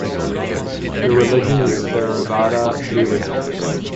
Their religion is Theravada Buddhism.